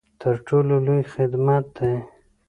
تر ټولو لوی خدمت دی.